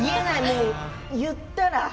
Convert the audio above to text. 言ったら。